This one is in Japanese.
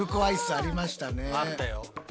あったよ。